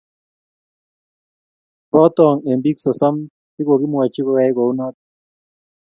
boton eng biik sosom che kokimwochi koyai kou noti